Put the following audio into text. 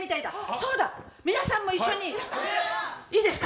そうだ、皆さんも一緒にいいですか？